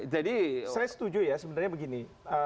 jadi saya setuju ya sebenarnya begini